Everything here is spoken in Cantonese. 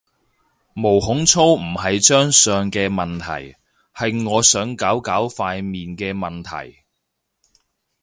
毛孔粗唔係張相嘅問題，係我想搞搞塊面嘅問題